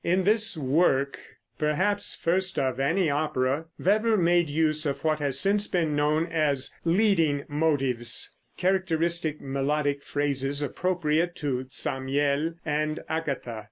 In this work, perhaps first of any opera, Weber made use of what has since been known as "leading motives" characteristic melodic phrases appropriate to Zamiel and Agatha.